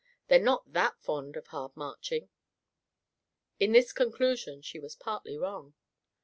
They're not that fond of hard marching." In this conclusion she was partly wrong.